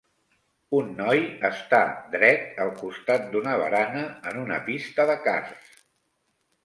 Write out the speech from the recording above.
Un noi està dret al costat d'una barana en una pista de karts.